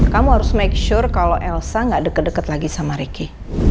kamu harus make sure kalau elsa gak deket deket lagi sama ricky